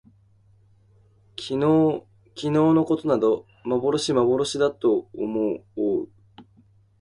昨日きのうのことなど幻まぼろしだと思おもおう